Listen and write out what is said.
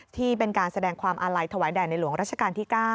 ที่เป็นการแสดงความอาลัยถวายแด่ในหลวงรัชกาลที่๙